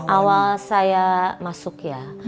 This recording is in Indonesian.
awal saya masuk ya